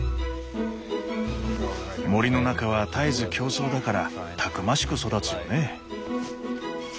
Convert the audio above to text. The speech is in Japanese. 森の中は絶えず競争だからたくましく育つよね。